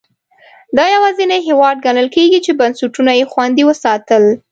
دا یوازینی هېواد ګڼل کېږي چې بنسټونه یې خوندي وساتل.